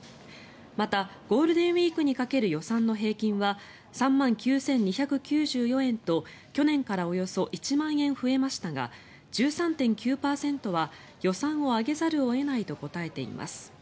またゴールデンウィークにかける予算の平均は３万９２９４円と去年からおよそ１万円増えましたが１３．９％は予算を上げざるを得ないと答えています。